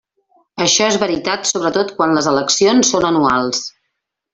Això és veritat sobretot quan les eleccions són anuals.